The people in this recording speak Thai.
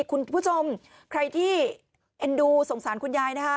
คุณผู้ชมใครที่เอ็นดูสงสารคุณยายนะคะ